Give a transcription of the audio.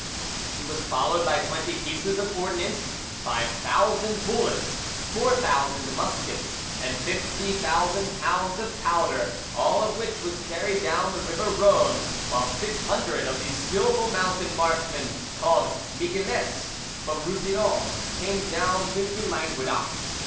He was followed by twenty pieces of ordnance, five thousand bullets, four thousand muskets, and fifty thousand pounds of powder, all of which was carried down the river Rhone, while six hundred of the skilful mountain marksmen called 'miquelets' from Roussillon came down into Languedoc.